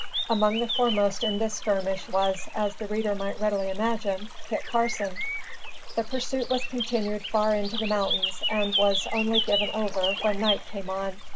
Among the foremost in this skirmish was, as the reader might readily imagine, Kit Carson. The pursuit was continued far into the mountains and was only given over when night came on.